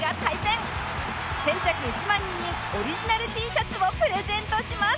先着１万人にオリジナル Ｔ シャツをプレゼントします！